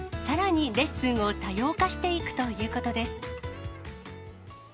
さらにレッスンを多様化していくということです。